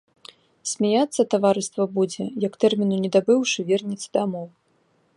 Смяяцца таварыства будзе, як, тэрміну не дабыўшы, вернецца дамоў.